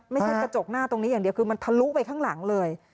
ไม่ใช่กระจกหน้าตรงนี้อย่างเดียวคือมันทะลุไปข้างหลังเลย